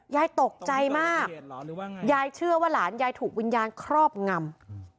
ยายตกใจมากยายเชื่อว่าหลานยายถูกวิญญาณครอบงำ